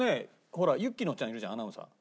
ほら雪乃ちゃんいるじゃんアナウンサー。